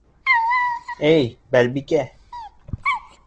Эй, Балбикә?!..